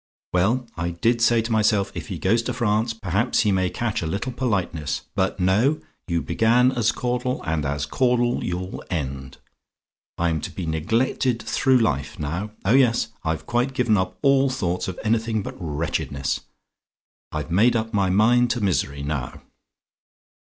Well, I DID say to myself, if he goes to France, perhaps he may catch a little politeness but no; you began as Caudle, and as Caudle you'll end. I'm to be neglected through life, now. Oh yes! I've quite given up all thoughts of anything but wretchedness I've made up my mind to misery, now.